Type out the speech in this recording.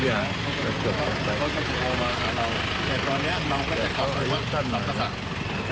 แต่เขาให้ยุทธ์สั้นหน่อยนะ